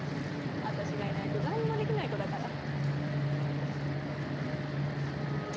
私がいないとなんにもできない子だから！